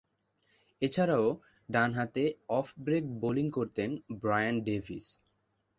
এছাড়াও, ডানহাতে off break bowling করতেন ব্রায়ান ডেভিস।